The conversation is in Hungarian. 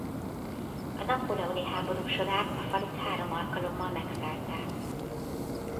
A napóleoni háborúk során a falut három alkalommal megszállták.